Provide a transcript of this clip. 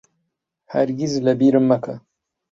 هەرگیز لەبیرم مەکە.